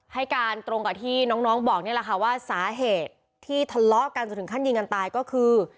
ให้การตรงกับที่น้องบอกนี่แหละค่ะว่าสาเหตุที่ทะเลาะกันจนถึงขั้นยิงกันตายก็คือ